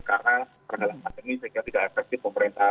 karena karena pandemi sehingga tidak efektif pemerintah